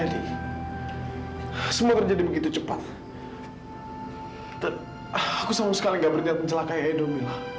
tidurlah kafa anakku sayang